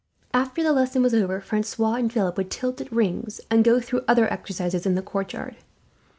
After the lesson was over, Francois and Philip would tilt at rings and go through other exercises in the courtyard.